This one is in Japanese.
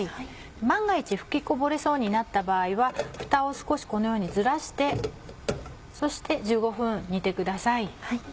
万が一噴きこぼれそうになった場合はふたを少しこのようにずらしてそして１５分煮てください。